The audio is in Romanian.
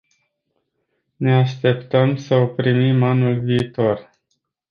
Ne așteptăm să o primim anul viitor.